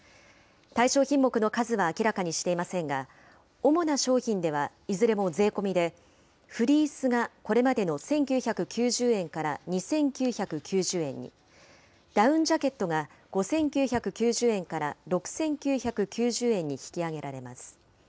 対象品目の数は明らかにしていませんが、主な商品では、いずれも税込みで、フリースがこれまでの１９９０円から２９９０円に、ダウンジャケットが５９９０円から６９９０円に引き上げられます。